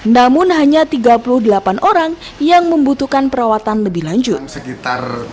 namun hanya tiga puluh delapan orang yang membutuhkan perawatan lebih lanjut